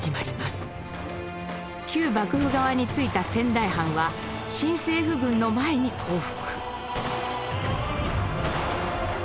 旧幕府側についた仙台藩は新政府軍の前に降伏。